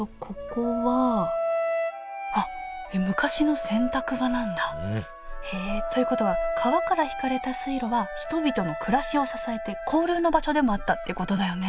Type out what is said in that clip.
あっ昔の洗濯場なんだ。ということは川から引かれた水路は人々の暮らしを支えて交流の場所でもあったってことだよね